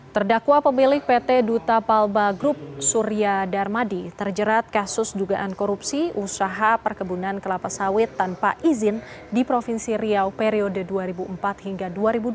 terdakwa pemilik pt duta palba group surya darmadi terjerat kasus dugaan korupsi usaha perkebunan kelapa sawit tanpa izin di provinsi riau periode dua ribu empat hingga dua ribu dua puluh